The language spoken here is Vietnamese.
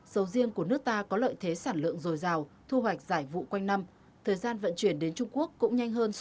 sầu riêng của nước ta có lợi thế sản lượng